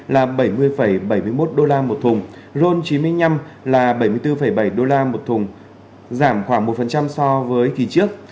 là bảy mươi bảy mươi một đô la một thùng ron chín mươi năm là bảy mươi bốn bảy đô la một thùng giảm khoảng một so với kỳ trước